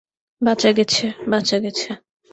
বাঁচা গেছে, বাঁচা গেছে!